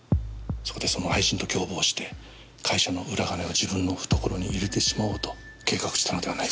そこでその愛人と共謀して会社の裏金を自分の懐に入れてしまおうと計画したのではないかと。